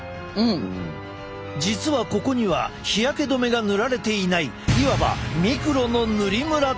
実はここには日焼け止めが塗られていないいわばミクロの塗りムラだ。